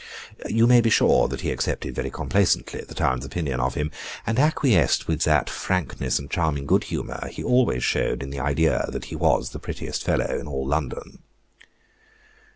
You may be sure that he accepted very complacently the town's opinion of him, and acquiesced with that frankness and charming good humor he always showed in the idea that he was the prettiest fellow in all London.